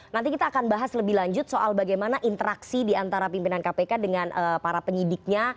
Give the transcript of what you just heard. nanti kita akan bahas lebih lanjut soal bagaimana interaksi diantara pimpinan kpk dengan para penyidiknya